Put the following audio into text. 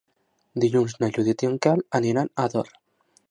Dilluns na Judit i en Quel aniran a Ador.